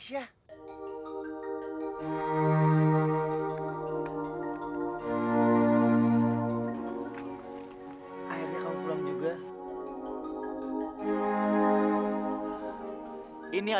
sakri semua gimana